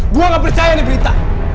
gue gak percaya ini berita